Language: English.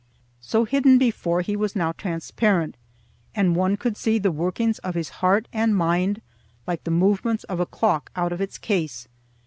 So hidden before, he was now transparent, and one could see the workings of his heart and mind like the movements of a clock out of its case.